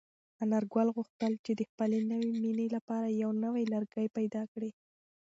انارګل غوښتل چې د خپلې نوې مېنې لپاره یو نوی لرګی پیدا کړي.